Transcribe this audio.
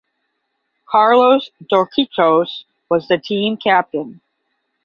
Carlos Dorticos was the team captain.